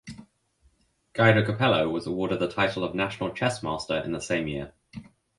Guido Cappello was awarded the title of National Chess Master in the same year.